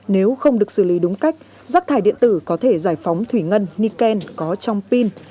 nếu không được xử lý đúng cách rác thải điện tử có thể giải phóng thủy ngân nikken có trong pin